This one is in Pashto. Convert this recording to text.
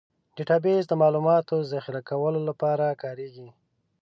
ډیټابیس د معلوماتو ذخیره کولو لپاره کارېږي.